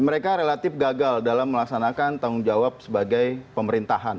mereka relatif gagal dalam melaksanakan tanggung jawab sebagai pemerintahan